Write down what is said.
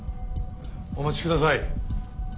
お待ちください。